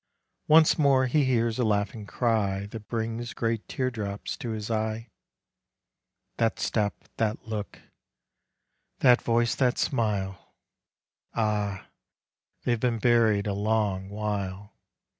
Once more he hears a laughing cry That brings great tear drops to his eye. — That step, — that look, — that voice, — that smile. Ah ! they 've been buried a long while